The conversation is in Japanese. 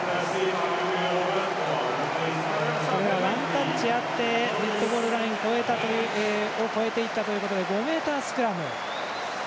ワンタッチあってデッドゴールライン越えていったということで５ｍスクラム。